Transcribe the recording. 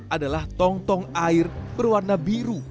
adalah tong tong air berwarna biru